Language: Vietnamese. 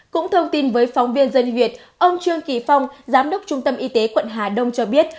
cũng thông tin với phóng viên dân việt ông trương kỳ phong giám đốc trung tâm y tế quận hà đông cho biết